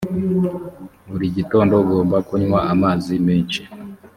buri gitondo ugomba kunywa amazi menshi